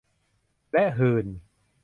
และหื่น